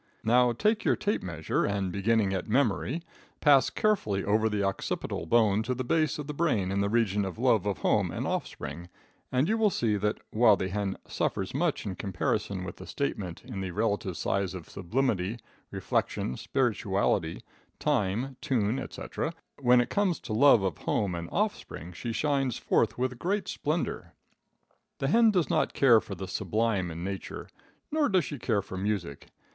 Now take your tape measure and, beginning at memory, pass carefully over the occiputal bone to the base of the brain in the region of love of home and offspring and you will see that, while the hen suffers much in comparison with the statement in the relative size of sublimity, reflection, spirituality, time, tune, etc., when it comes to love of home and offspring she shines forth with great splendor. The hen does not care for the sublime in nature. Neither does she care for music.